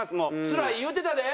「つらい」言うてたで。